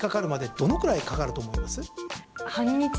半日ぐらいかかると思います。